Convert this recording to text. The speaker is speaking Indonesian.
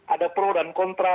ada pro dan kontra